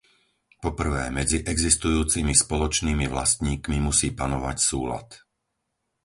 Po prvé, medzi existujúcimi spoločnými vlastníkmi musí panovať súlad.